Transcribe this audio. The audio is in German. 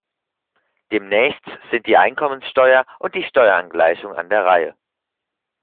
Demnächst sind die Einkommenssteuer und die Steuerangleichung an der Reihe.